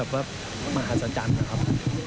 ซึ่งเป็นอะไรที่แบบว่ามหาศักดิ์จันทร์นะครับ